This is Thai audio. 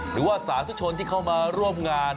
หรือว่าสาธุชนที่เข้ามาร่วมงาน